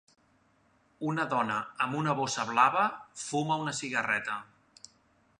Una dona amb una bossa blava fuma una cigarreta